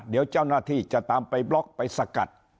เดี๋ยวเจ้าหน้าที่จะตามไปบล็อกไปสกัด